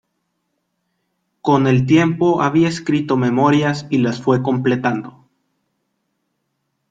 Con el tiempo había escrito memorias y las fue completando.